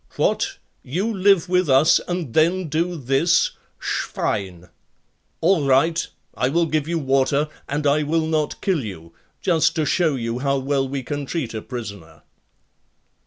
"What! You live with us and then do this? Schwein!" "All right, I will give you water and I will not kill you; just to show you how well we can treat a prisoner."